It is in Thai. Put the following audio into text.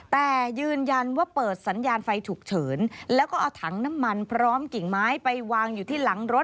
แต่ยืนยันว่าเปิดสัญญาณไฟฉุกเฉินแล้วก็เอาถังน้ำมันพร้อมกิ่งไม้ไปวางอยู่ที่หลังรถ